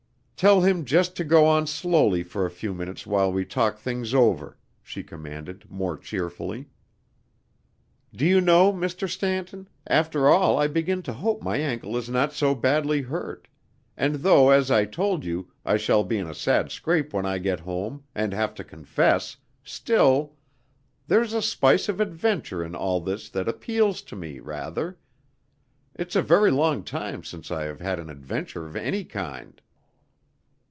"Tell him just to go on slowly for a few minutes while we talk things over," she commanded, more cheerfully. "Do you know, Mr. Stanton, after all I begin to hope my ankle is not so badly hurt; and though, as I told you, I shall be in a sad scrape when I get home, and have to confess, still there's a spice of adventure in all this that appeals to me, rather. It's a very long time since I have had an adventure of any kind."